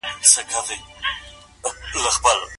هغه کسان چې په طوفاني حالاتو کې ودرېدل، نن مخکښ دي.